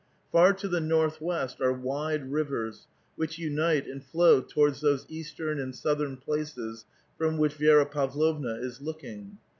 Far to tlie northwest are wide rivers, which unite and flow towards those eastern and southern places from which Vi6ra Pavlovna is looking.